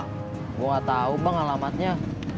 gue nggak tahu bang alamatnya